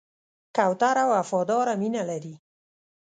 کوتره وفاداره مینه لري.